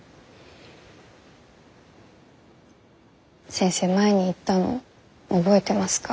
先生前に言ったの覚えてますか？